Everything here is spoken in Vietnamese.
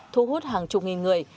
thu hút hàng chục nghìn người